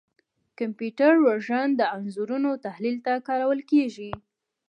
کمپیوټر وژن د انځورونو تحلیل ته کارول کېږي.